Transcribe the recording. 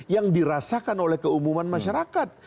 yang dirasakan oleh keumuman masyarakat